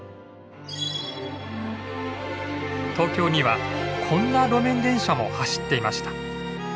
東京にはこんな路面電車も走っていました。